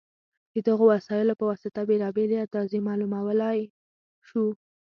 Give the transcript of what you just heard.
د دغو وسایلو په واسطه بېلابېلې اندازې معلومولی شو.